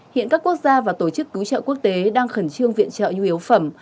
hiện các quốc gia và tổ chức cứu trợ quốc tế đang khẩn trương viện trợ nhu yếu phẩm